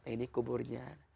nah ini kuburnya